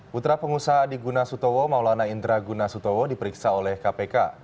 putra pengusaha adi guna sutowo maulana indra guna sutowo diperiksa oleh kpk